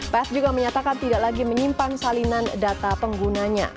pes juga menyatakan tidak lagi menyimpan salinan data penggunanya